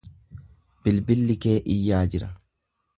Bilbilli kee iyyaa jira.